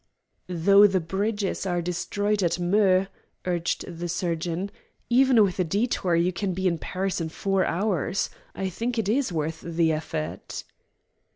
"Though the bridges are destroyed at Meaux," urged the surgeon, "even with a detour, you can be in Paris in four hours. I think it is worth the effort."